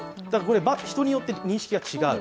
人によって認識が違う。